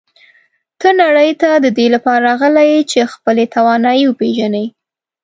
ته نړۍ ته د دې لپاره راغلی یې چې خپلې توانایی وپېژنې.